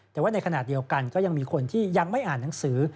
แต่ว่าในขณะเดียวกันก็ยังมีคนที่ยังไม่อ่านหนังสือ